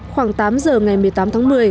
khoảng tám giờ ngày một mươi tám tháng một mươi